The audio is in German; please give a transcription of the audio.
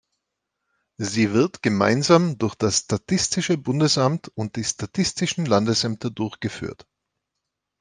Sie wird gemeinsam durch das Statistische Bundesamt und die Statistischen Landesämter durchgeführt.